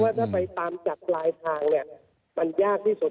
เพราะว่าถ้าไปตามจัดปลายทางมันยากที่สุด